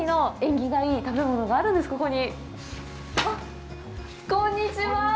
あっ、こんにちは。